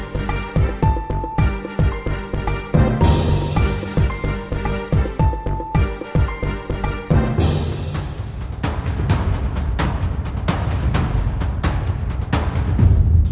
ติดตามต่อไป